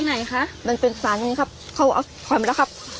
ไหนคะมันเป็นสารอย่างนี้ครับเขาเอาถอยมาแล้วครับ